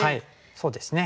そうですね。